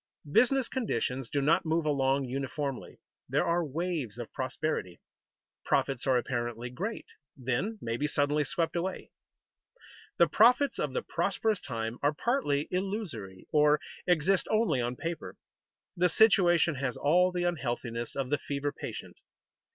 Business conditions do not move along uniformly. There are waves of prosperity. Profits are apparently great, then may be suddenly swept away. The profits of the prosperous time are partly illusory, or exist only on paper. The situation has all the unhealthiness of the fever patient.